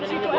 di sini ada